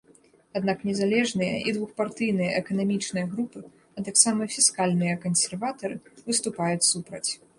Аднак незалежныя і двухпартыйныя эканамічныя групы, а таксама фіскальныя кансерватары, выступаюць супраць.